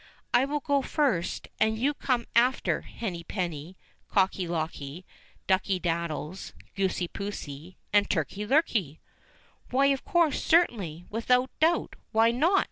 I will go first and you come after, Henny penny, Cocky locky, Ducky dad dies, Goosey poosey, and Turkey lurkey." "Why of course, certainly, without doubt, why not?"